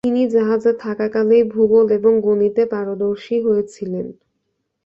তিনি জাহাজে থাকাকালেই ভূগোল এবং গণিতে পারদর্শী হয়েছিলেন।